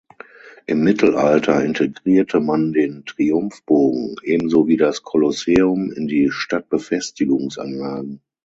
Im Mittelalter integrierte man den Triumphbogen, ebenso wie das Kolosseum, in die Stadtbefestigungsanlagen.